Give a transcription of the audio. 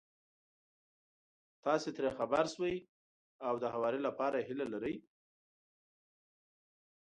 تاسې ترې خبر شوي او د هواري لپاره يې هيله لرئ.